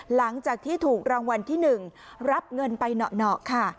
หลังจากที่ถูกรางวัลที่๑รับเงินไปเหนาะค่ะ